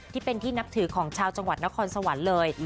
ที่เป็นที่นับถือของชาวจังหวัดนครสวรรค์เลย